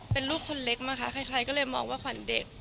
เป็นลูกคนเล็กมั้งคะใครก็เลยมองว่าขวัญเด็ก